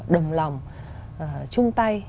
đồng lòng chung tay